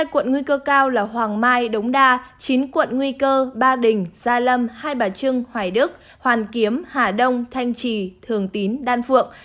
hai quận nguy cơ cao là hoàng mai đống đa chín quận nguy cơ ba đình gia lâm hai bà trưng hoài đức hoàn kiếm hà đông thanh trì thường tín đan phượng